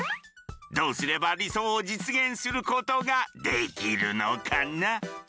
どうすれば理想を現実することができるのかな？